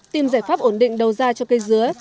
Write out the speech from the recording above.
tìm giải pháp ổn định đầu ra cho cây dứa